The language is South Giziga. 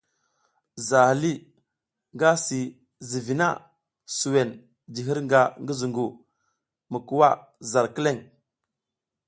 Zaha lih nga si zǝgwi na zuwen ji hirnga ngi zungu mi kuwa zar kileŋ.